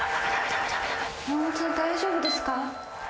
大丈夫ですか？